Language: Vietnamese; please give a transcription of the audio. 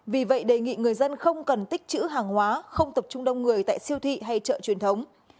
vì vậy đề nghị người dân không cần tích chữ hàng hóa không tập trung đông người tại siêu thị hay chợ truyền thống